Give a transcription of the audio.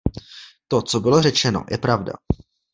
To, co bylo řečeno, je pravda.